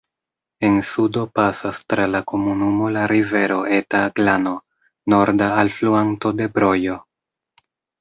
En sudo pasas tra la komunumo la rivero Eta Glano, norda alfluanto de Brojo.